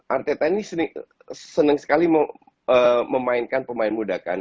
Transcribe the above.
arteta ini seneng sekali memainkan pemain muda